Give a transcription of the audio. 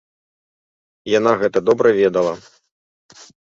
Яна гэта добра ведала.